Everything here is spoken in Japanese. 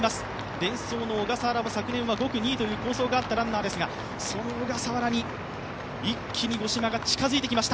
デンソーの小笠原は５区２位という好走があったランナーですが、その小笠原に一気に五島が近づいてきました。